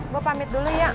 bu pamit dulu ya